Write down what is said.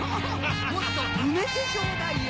もっと埋めてちょうだいよ！